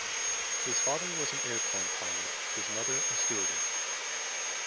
His father was an airplane pilot; his mother a stewardess.